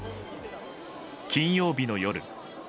金曜日の夜。